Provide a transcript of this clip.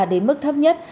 đến mức thấp nhất